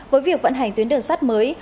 với việc vận hành tuyến đường sắt mới